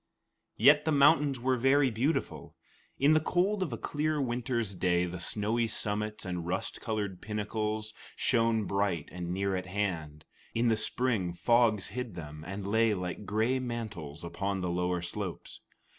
Yet the mountains were very beautiful. In the cold of a clear winter's day, the snowy summits and rust colored pinnacles shone bright and near at hand; in the spring, fogs hid them, and lay like gray mantles upon the lower slopes.